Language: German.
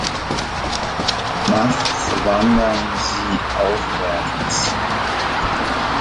Nachts wandern sie aufwärts.